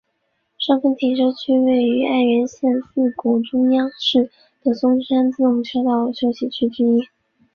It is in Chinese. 上分停车区是位于爱媛县四国中央市的松山自动车道之休息区。